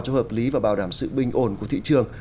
cho hợp lý và bảo đảm sự bình ổn của thị trường